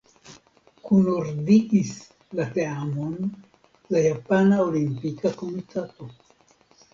Kunordigis la teamon la Japana Olimpika Komitato.